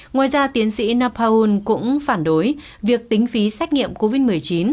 ngoài ra tiến sĩ napaun cũng phản đối việc tính phí xét nghiệm covid một mươi chín